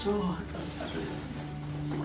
saya berkata di sini